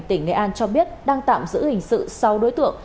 tỉnh nghệ an cho biết đang tạm giữ hình sự sáu đối tượng